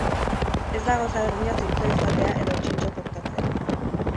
Ez da gauza berdina zintzoa izatea edo txintxo portatzea.